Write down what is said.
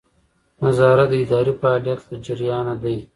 نظارت د ادارې د فعالیت له جریانه دی.